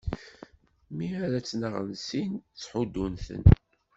Mi ara ttnaɣen sin, ttḥuddu-ten!